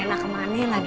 renna kemana lagi